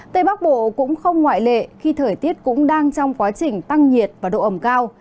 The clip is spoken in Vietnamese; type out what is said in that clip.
tây bắc bộ cũng không ngoại lệ khi thời tiết cũng đang trong quá trình tăng nhiệt và độ ẩm cao